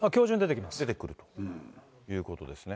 出てくるということですね。